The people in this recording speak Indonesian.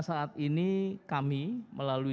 saat ini kami melalui